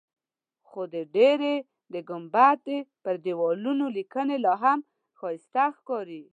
خو د ډبرې د ګنبد پر دیوالونو لیکنې لاهم ښایسته ښکاري.